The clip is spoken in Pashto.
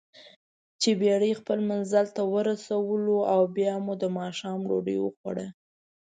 چې بېړۍ خپل منزل ته ورسولواو بیا مو دماښام ډوډۍ وخوړه.